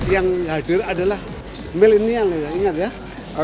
yang hadir adalah milenial ingat ya